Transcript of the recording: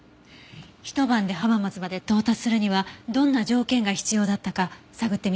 ひと晩で浜松まで到達するにはどんな条件が必要だったか探ってみたいわ。